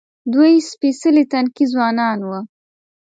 دوی سپېڅلي تنکي ځوانان وو.